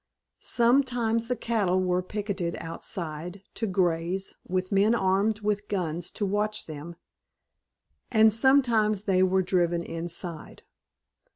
Sometimes the cattle were picketed outside, to graze, with men armed with guns to watch them, and sometimes they were driven inside.